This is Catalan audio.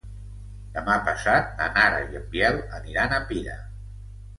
Demà passat na Nara i en Biel aniran a Pira.